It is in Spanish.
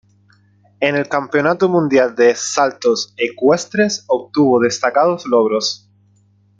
En el Campeonato Mundial de Saltos Ecuestres obtuvo destacados logros.